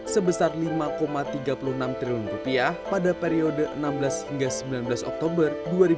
sebesar rp lima tiga puluh enam triliun pada periode enam belas hingga sembilan belas oktober dua ribu dua puluh